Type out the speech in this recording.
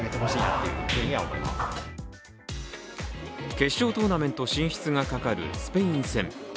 決勝トーナメント進出がかかるスペイン戦。